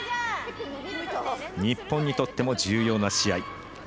日本にとっても重要な試合。